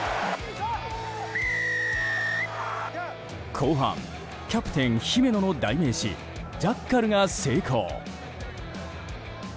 後半、キャプテン姫野の代名詞ジャッカルが成功。